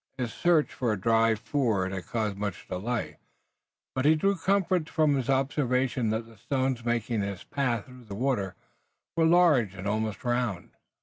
His search for a dry ford had caused much delay, but he drew comfort from his observation that the stones making his pathway through the water were large and almost round.